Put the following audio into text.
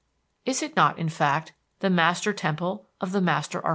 Is it not, in fact, the master temple of the Master Architect?